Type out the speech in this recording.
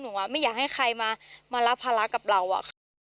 หนูไม่อยากให้ใครมามารับภาระกับเรา